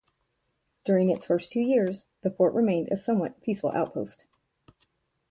During its first two years, the fort remained a somewhat peaceful outpost.